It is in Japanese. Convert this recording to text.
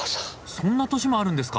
そんな年もあるんですか！？